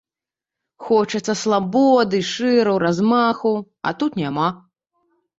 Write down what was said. Хочацца слабоды, шыру, размаху, а тут няма.